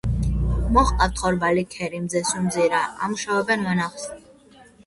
მოჰყავთ ხორბალი, ქერი, მზესუმზირა, ამუშავებენ ვენახს.